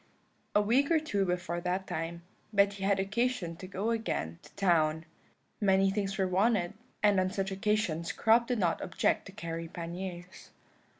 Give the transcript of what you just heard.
"A week or two before that time, Betty had occasion to go again to town. Many things were wanted, and on such occasions Crop did not object to carry panniers.